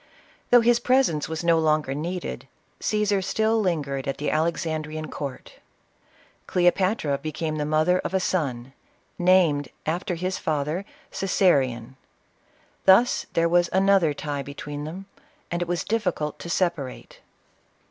Though his presence was no longer needed, Ca?sar still lingered at the Alex andrean court. Cleopatra became the mother of a son, named, after his father, Coesarion. Thus was there an other tie between them, and it was difficult to separate.